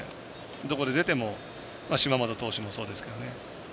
どこで出ても島本投手もそうでしたけど。